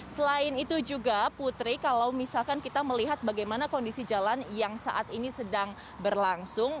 selain itu juga putri kalau misalkan kita melihat bagaimana kondisi jalan yang saat ini sedang berlangsung